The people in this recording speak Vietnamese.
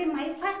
hai máy phát